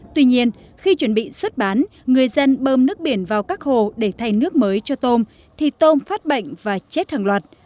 tuy nhiên khi chuẩn bị xuất bán người dân bơm nước biển vào các hồ để thay nước mới cho tôm thì tôm phát bệnh và chết hàng loạt